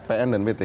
pn dan pt